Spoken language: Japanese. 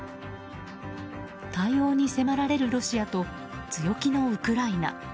対応に迫られるロシアと強気のウクライナ。